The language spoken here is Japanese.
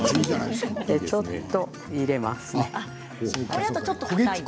ちょっと入れます。